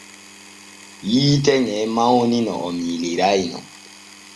Yiite ŋe mawni no o miiliray no.